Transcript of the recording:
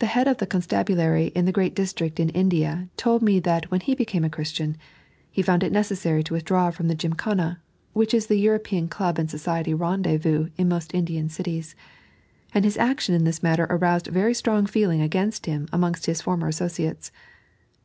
The head of the couBtahulary in a great district in India told me that when he became a Christian he found it neceesary to withdraw from the Qjmkana (which is the European club and society rendezvous in most Indian cities), and his action in this matter aroused very strong feeling against him amongst his former aasociatee.